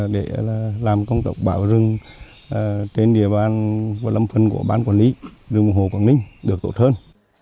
để làm công tác bảo rừng trên địa bàn và lâm phần của ban quản lý rừng hồ quảng ninh được tốt hơn